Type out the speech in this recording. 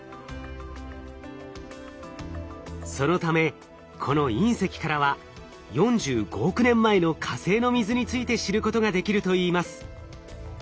そのためこの隕石からは４５億年前の火星の水について知ることができるといいます。